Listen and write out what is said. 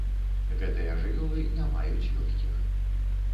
Гэтыя жывёлы не маюць лёгкіх.